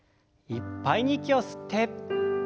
いっぱいに息を吸って。